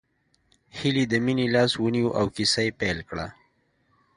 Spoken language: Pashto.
هيلې د مينې لاس ونيو او کيسه يې پيل کړه